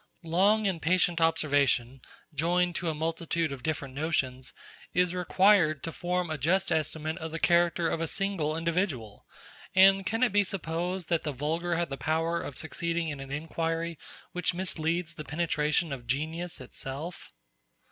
Long and patient observation, joined to a multitude of different notions, is required to form a just estimate of the character of a single individual; and can it be supposed that the vulgar have the power of succeeding in an inquiry which misleads the penetration of genius itself?